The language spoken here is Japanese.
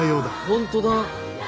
本当だ。